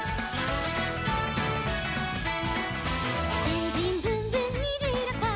「エンジンブンブンにじいろカー」